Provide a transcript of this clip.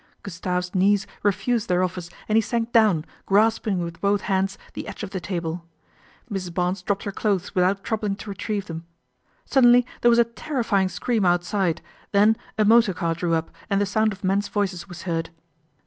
Gustave's knees refused their office and he sank down, grasping with both hands the edge of the table. Mrs. Barnes dropped her clothes without troubling to retrieve them. Suddenly there was a terrifying scream outside, then a motor car drew up and the sound of men's voices was heard.